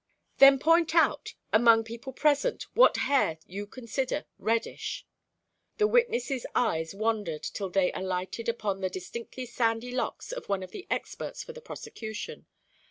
"Then point out, among people present, what hair you consider reddish." The witness's eyes wandered till they alighted upon the distinctly sandy locks of one of the experts for the prosecution.